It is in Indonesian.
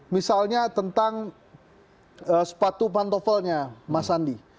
misalnya tentang sepatu pantofelnya mas andi